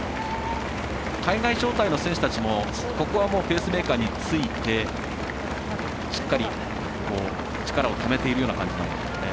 海外招待の選手たちもここはペースメーカーについて、しっかり力をためているような感じなんですかね。